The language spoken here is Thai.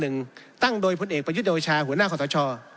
คณะกรรมนิการการยุทธิธรรมและกิจการตำรวจ